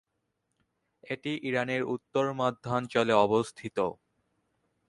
এটি ইরানের উত্তর-মধ্যাঞ্চলে অবস্থিত।